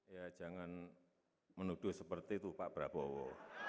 ya jangan menuduh seperti itu pak prabowo